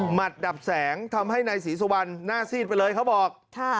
หมัดดับแสงทำให้นายศรีสุวรรณหน้าซีดไปเลยเขาบอก